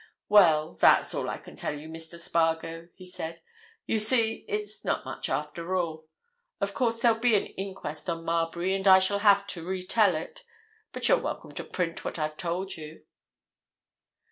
"Well, that's all I can tell you, Mr. Spargo," he said. "You see, it's not much, after all. Of course, there'll be an inquest on Marbury, and I shall have to re tell it. But you're welcome to print what I've told you."